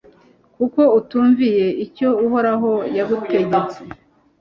kuko utumviye icyo uhoraho yagutegetse